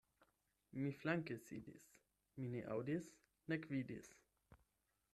Mi flanke sidis, mi ne aŭdis nek vidis.